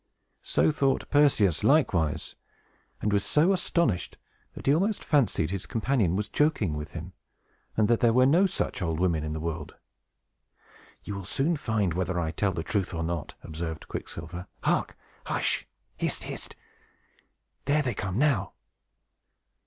So thought Perseus, likewise, and was so astonished that he almost fancied his companion was joking with him, and that there were no such old women in the world. "You will soon find whether I tell the truth or no," observed Quicksilver. "Hark! hush! hist! hist! There they come, now!"